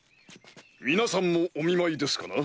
皆さんもお見舞いですかな？